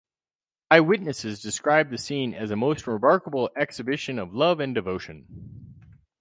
Eyewitnesses described the scene as a most remarkable exhibition of love and devotion.